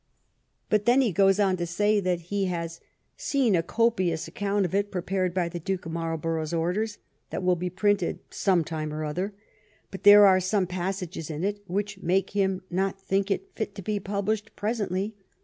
But then he goes on to say that he has '^ seen a copious account of it, prepared by the duke of Marlborough's orders, that will be printed sometime or other ; but there are some passages in it, which make him not think it fit to be published presently.